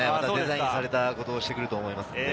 デザインされたことをしてくると思います。